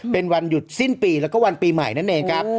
เป็นวันหยุดสิ้นปีแล้วก็วันปีใหม่นั่นเองครับ